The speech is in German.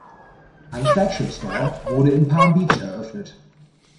Ein Flagship Store wurde in Palm Beach eröffnet.